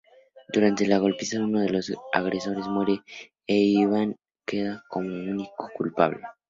Durante la golpiza, uno de los agresores muere e Iván queda como único culpable.